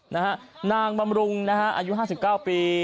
นางบำรุงนะฮะอายุ๕๙ปี